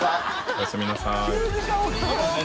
おやすみなさい。